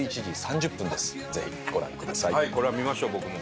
これは見ましょう僕も。